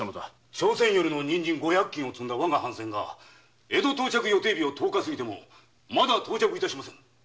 朝鮮より人参を積んだわが藩船が江戸到着予定日を過ぎてもまだ到着致しませぬ。